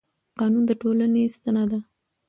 قانون د ټولنې ستنه ده